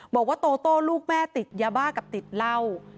บอกว่าโตโต้ลูกแม่ติดยาบ้ากับติดเหล้า